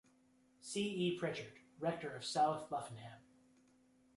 C. E. Prichard, Rector of South Luffenham.